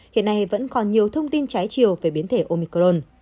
hiện nay vẫn còn nhiều thông tin trái chiều về biến thể omicron